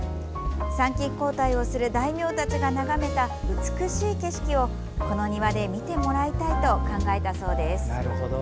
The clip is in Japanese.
参勤交代をする大名たちが眺めた美しい景色をこの庭で見てもらいたいと考えたそうです。